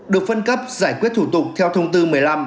được phân cấp giải quyết thủ tục theo thông tư một mươi năm